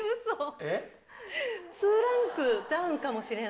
えっ？